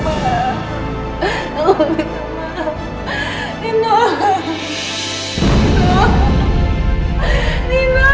jangan tinggal di burst nino